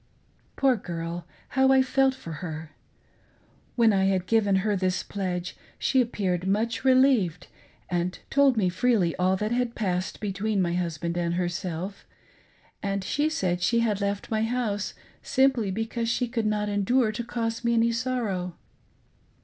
Poor girl : how I felt for her ! When I had givei her this pledge, she appeared much relieved and told me freely all that had passed between my husband and herself, and she said she had left my house simply because she could not endure to cause me any sorrow.